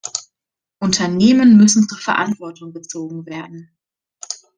Unternehmen müssen zur Verantwortung gezogen werden.